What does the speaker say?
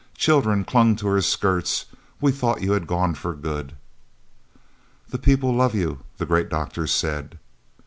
Children clung to her skirts "We thought you had gone for good." "The people love you," the great doctor said.